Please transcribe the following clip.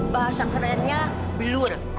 bahasa kerennya blur